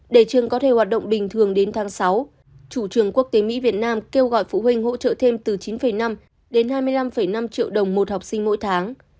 để trường có thể hoạt động bình thường đến tháng sáu chủ trường quốc tế mỹ việt nam kêu gọi phụ huynh hỗ trợ thêm từ chín năm đến hai mươi năm năm triệu đồng một học sinh mỗi tháng